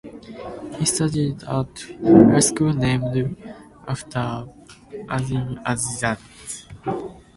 He studied at Art School named after Azim Azimzade.